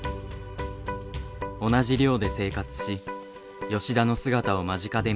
同じ寮で生活し吉田の姿を間近で見ていた。